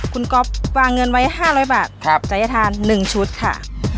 คุณก๊อฟวางเงินไว้๕๐๐บาทศัยธาน๑ชุดค่ะ